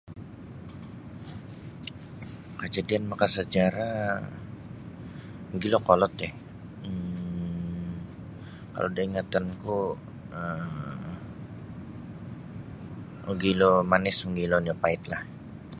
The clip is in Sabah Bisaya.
Kajadian maka sajarah magilo kolod um kalau da ingatan ku um magilo manis magilo nio pait lah.